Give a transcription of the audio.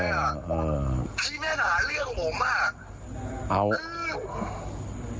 สู้มากดูถึงว่ามีกล้องนะคะที่เขาบอกแต่ไม่มีกล้อง